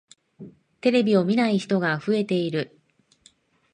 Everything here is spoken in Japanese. テレビを見ない人が増えている。